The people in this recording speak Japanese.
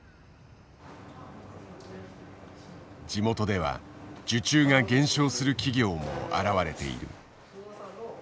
地元では受注が減少する企業も現れている。